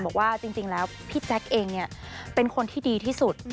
บอกว่าจริงแล้วพี่แจ๊คเองเป็นคนที่ดีที่สุด